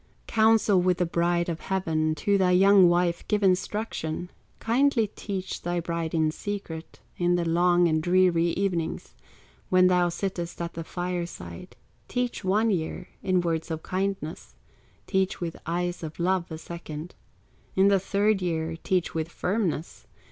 "Counsel with the bride of heaven, To thy young wife give instruction, Kindly teach thy bride in secret, In the long and dreary evenings, When thou sittest at the fireside; Teach one year, in words of kindness, Teach with eyes of love a second, In the third year teach with firmness.